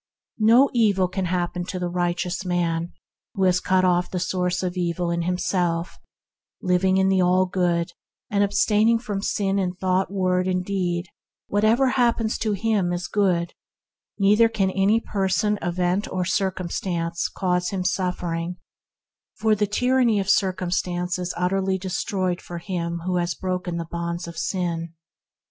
No evil can happen to the righteous man who has cut off the source of evil in him self; living in the All Good, and abstaining from sin in thought, word, and deed, whatever happens to him is good; neither can any person, event, or circumstance cause him suffering, for the tyranny of circumstance is utterly destroyed for him who has broken the bonds of sin.